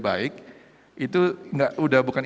baik itu udah bukan